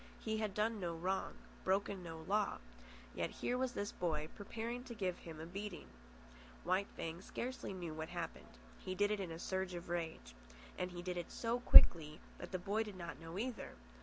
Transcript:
He had done no wrong, broken no law, yet here was this boy preparing to give him a beating. White Fang scarcely knew what happened. He did it in a surge of rage. And he did it so quickly that the boy did not know either.